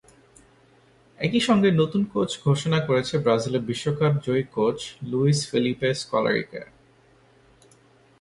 একই সঙ্গে নতুন কোচ ঘোষণা করেছে ব্রাজিলের বিশ্বকাপজয়ী কোচ লুইস ফেলিপে স্কলারিকে।